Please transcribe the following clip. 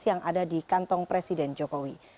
yang ada di kantong presiden jokowi